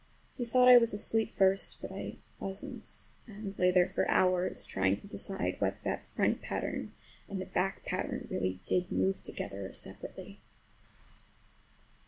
He thought I was asleep first, but I wasn't,—I lay there for hours trying to decide whether that front pattern and the back pattern really did move together or separately.